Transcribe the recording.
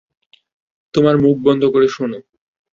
তোর মুখ বন্ধ করে শোন।